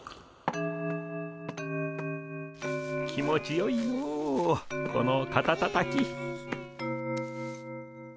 気持ちよいのこの肩たたき。